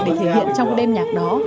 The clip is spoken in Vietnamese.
để thể hiện trong cái đêm nhạc đó